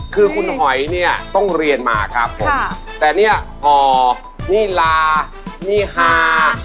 คือคุณหอยเนี่ยต้องเรียนมาครับผมแต่เนี่ยห่อนี่ลานิฮา